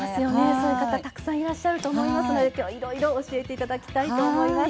そういう方たくさんいらっしゃると思いますので今日いろいろ教えていただきたいと思います。